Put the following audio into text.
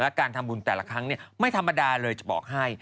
การทำบุญแต่ละครั้งไม่ธรรมดาเลยจะบอกให้